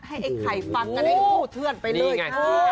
ให้ไข่ฟังกันไอ้ผู้เทื่อนไปเลยค่ะ